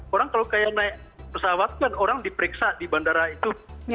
orang kalau kayak naik pesawat kan orang diperiksa di bandara itu